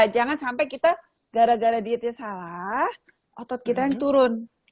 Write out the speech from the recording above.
jangan sampai kita gara gara dietnya salah otot kita yang turun